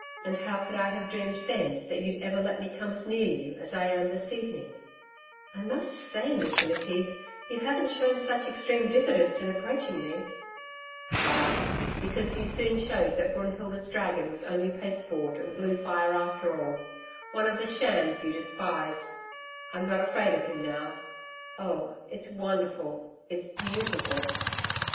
And how could I have dreamed then that you'd ever let me come as near you as I am this evening!' 'I must say, Mr McKeith, you haven't shown such extreme diffidence in approaching me.' 'Ah! Because you soon showed that Brunhilda's dragon was only pasteboard and blue fire after all one of the shams you despise. I'm not afraid of him now.... Oh, it's wonderful.... It's beautiful....'